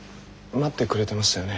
待ってくれてましたよね